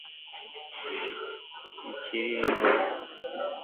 ikiringo